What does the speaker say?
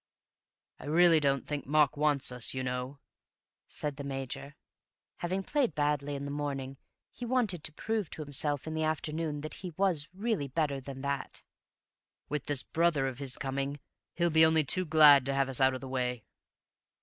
"I really don't think Mark wants us, you know," said the Major. Having played badly in the morning, he wanted to prove to himself in the afternoon that he was really better than that. "With this brother of his coming, he'll be only too glad to have us out of the way."